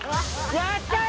やったよ！